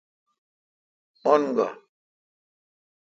ان گا۔